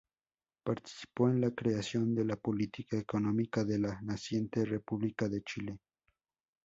Participó en la creación de la política económica de la naciente República de Chile.